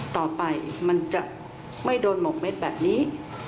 ต่อไปมันจะไม่โดนหมกเม็ดแบบนี้